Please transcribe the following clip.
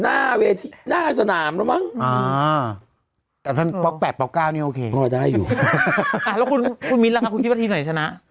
แล้วคุณมิ้นท์แล้วคุณคิดว่าทีมไหนจะชนะ